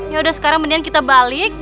yaudah sekarang mendingan kita balik